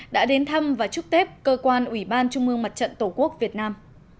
đã đến thăm và chúc tết cơ quan ủy ban trung mương mặt trận tổ quốc việt nam